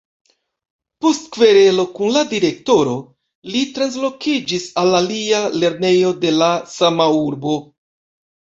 Post kverelo kun la direktoro, li translokiĝis al alia lernejo de la sama urbo.